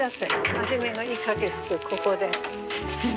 初めの１か月ここで。